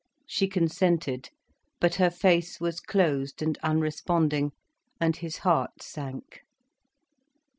She consented. But her face was closed and unresponding, and his heart sank.